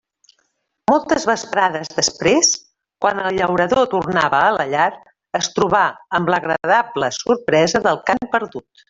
Moltes vesprades després, quan el llaurador tornava a la llar, es trobà amb l'agradable sorpresa del cant perdut.